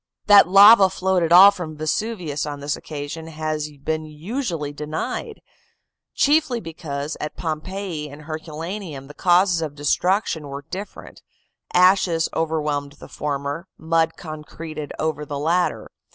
That lava flowed at all from Vesuvius on this occasion has been usually denied; chiefly because at Pompeii and Herculaneum the causes of destruction were different ashes overwhelmed the former, mud concreted over the latter.